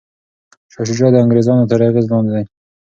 شاه شجاع د انګریزانو تر اغیز لاندې دی.